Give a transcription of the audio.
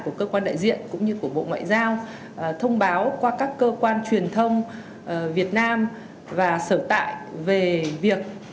của cơ quan đại diện cũng như của bộ ngoại giao thông báo qua các cơ quan truyền thông việt nam và sở tại về việc